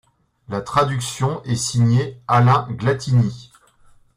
La traduction est signée Alain Glatigny.